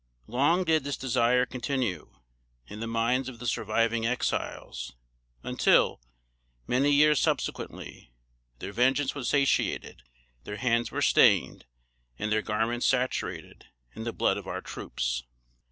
Long did this desire continue, in the minds of the surviving Exiles, until, many years subsequently, their vengeance was satiated, their hands were stained, and their garments saturated, in the blood of our troops.